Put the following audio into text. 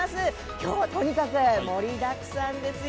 きょうはとにかく盛りだくさんですよ。